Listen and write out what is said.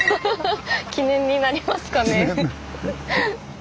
記念になりますかね。